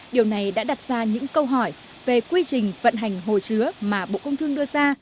điều này đã đặt ra những câu hỏi về quy trình vận hành hồ chứa mà bộ công thương đưa ra